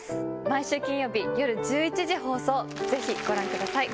毎週金曜日夜１１時放送ぜひご覧ください。